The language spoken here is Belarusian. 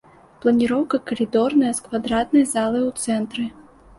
Планіроўка калідорная з квадратнай залай у цэнтры.